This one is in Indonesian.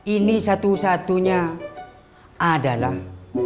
ini satu satunya adalah